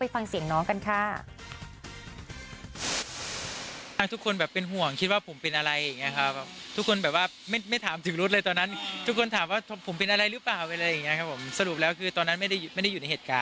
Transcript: ฝ่าเมียมาเลย